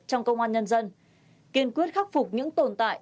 trong công an nhân dân kiên quyết khắc phục những tồn tại